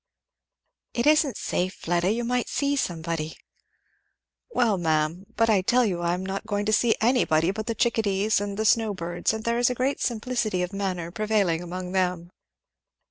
"It isn't safe, Fleda; you might see somebody." "Well ma'am! But I tell you I am not going to see anybody but the chick a dees and the snow birds, and there is great simplicity of manners prevailing among them."